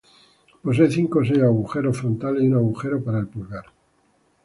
Posee cinco o seis agujeros frontales y un agujero para el pulgar.